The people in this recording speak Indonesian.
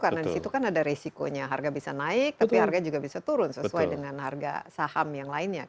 karena di situ kan ada resikonya harga bisa naik tapi harga juga bisa turun sesuai dengan harga saham yang lainnya